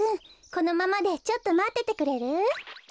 このままでちょっとまっててくれる？